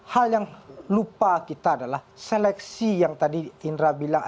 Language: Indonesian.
hal yang lupa kita adalah seleksi yang tadi indra bilang